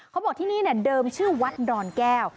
เขาบอกที่นี่เดิมชื่อวัดดอนแก้ว